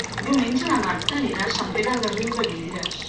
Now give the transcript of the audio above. Diumenge na Marta anirà a Sant Pere de Riudebitlles.